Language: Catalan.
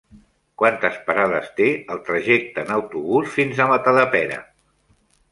Quantes parades té el trajecte en autobús fins a Matadepera?